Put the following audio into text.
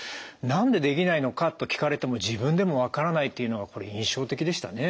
「なんでできないのか」と聞かれても自分でも分からないというのはこれ印象的でしたね。